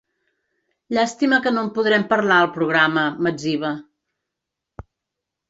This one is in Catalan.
“Llàstima que no en podrem parlar al programa”, m'etziba.